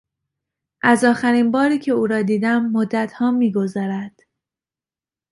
از آخرین باری که او را دیدم مدتها میگذرد.